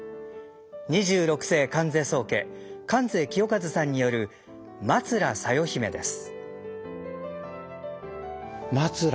二十六世観世宗家観世清和さんによる「松浦佐用姫」です。